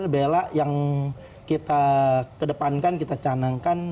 bela yang kita kedepankan kita canangkan